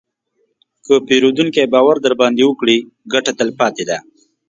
که پیرودونکی باور درباندې وکړي، ګټه تلپاتې ده.